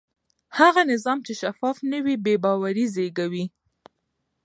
هغه نظام چې شفاف نه وي بې باوري زېږوي